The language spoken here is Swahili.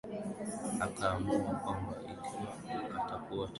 akaamua kwamba ikiwa atakuwa tayari kukutana tena